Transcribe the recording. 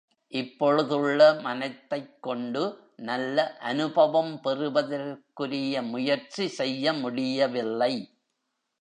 இப்பொழுதுள்ள மனத்தைக் கொண்டு நல்ல அநுபவம் பெறுவதற்குரிய முயற்சி செய்ய முடியவில்லை.